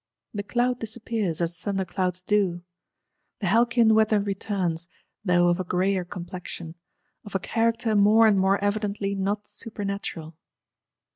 The cloud disappears, as thunder clouds do. The halcyon weather returns, though of a grayer complexion; of a character more and more evidently not supernatural.